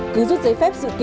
cứ rút giấy phép sự kiện